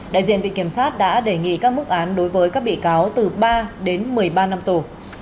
đại diện vị kiểm sát đã đề nghị các mức án đối với các bị cáo từ ba đến một mươi ba năm tù